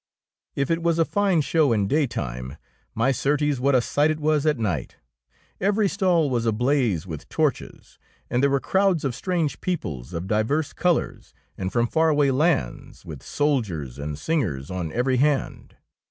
If it was a fine show in daytime, my certes, what a sight it was at night! Every stall was ablaze with torches, and there were crowds of strange peoples of divers colours and from far away lands, with soldiers and singers on every hand.